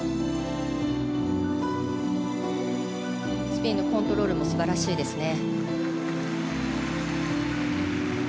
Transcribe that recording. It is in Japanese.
スピンのコントロールも素晴らしいですね。